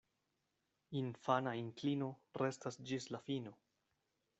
Infana inklino restas ĝis la fino.